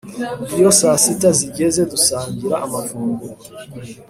Iyo saasita zigeze dusangira amafunguro